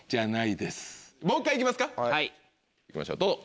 行きましょうどうぞ。